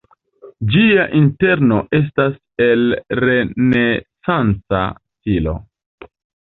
Ĝia interno estas el renesanca stilo.